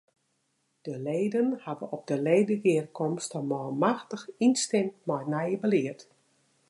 De leden hawwe op de ledegearkomste manmachtich ynstimd mei it nije belied.